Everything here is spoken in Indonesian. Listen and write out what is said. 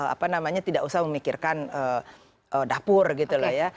apa namanya tidak usah memikirkan dapur gitu loh ya